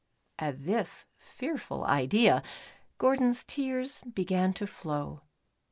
At this fearful idea, Gordon's tears began to flow.